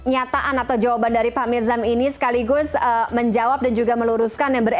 oke ini sekaligus pernyataan atau jawaban dari pak mirzam ini sekaligus menjawab dan juga meluruskan yang beredar